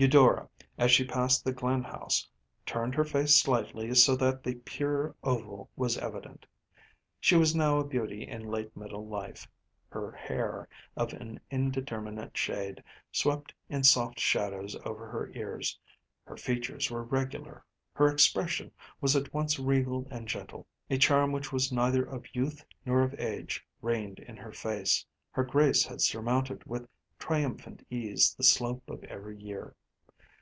Eudora, as she passed the Glynn house, turned her face slightly, so that its pure oval was evident. She was now a beauty in late middle life. Her hair, of an indeterminate shade, swept in soft shadows over her ears; her features were regular; her expression was at once regal and gentle. A charm which was neither of youth nor of age reigned in her face; her grace had surmounted with triumphant ease the slope of every year.